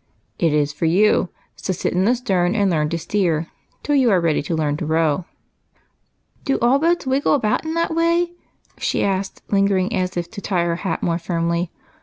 " It is for you ; so sit in the stern and learn to steer, till you are ready to learn to row." "Do all boats wiggle about in that way?" she asked, lingering as if to tie her hat more firmly.